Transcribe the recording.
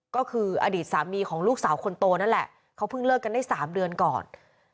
ก็คืออดีตสามีของลูกสาวคนโตนั่นแหละเขาเพิ่งเลิกกันได้๓เดือนก่อน